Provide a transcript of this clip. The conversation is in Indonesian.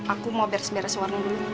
aku mau beres beres warna dulu